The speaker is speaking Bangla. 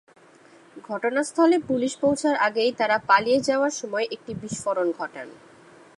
ঘটনাস্থলে পুলিশ পৌঁছার আগেই তাঁরা পালিয়ে যাওয়ার সময় একটি বিস্ফোরণ ঘটান।